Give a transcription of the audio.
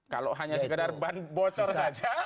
kalau hanya sekedar ban bocor saja